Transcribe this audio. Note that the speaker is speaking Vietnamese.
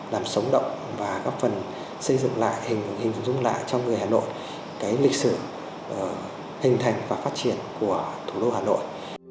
làm sống động và góp phần xây dựng lại hình dung lại cho người hà nội cái lịch sử hình thành và phát triển của thủ đô hà nội